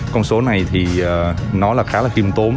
con số này thì nó là khá là khiêm tốn